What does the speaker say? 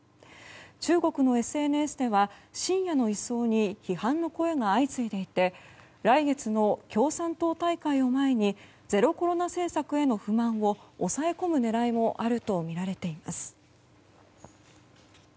中国のＳＮＳでは深夜の移送に批判の声が相次いでいて来月の共産党大会を前にゼロコロナ政策への不満を抑え込む狙いもあるとみられています。